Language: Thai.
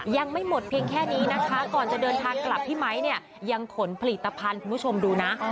ยังไม่หมดเพียงแค่นี้นะคะก่อนจะเดินทางกลับพี่ไมค์เนี่ยยังขนผลิตภัณฑ์คุณผู้ชมดูนะ